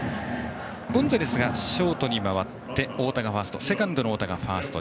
ゴンザレスがショートに回ってセカンドの太田がファースト。